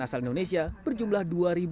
asal indonesia berjumlah dua tujuh ratus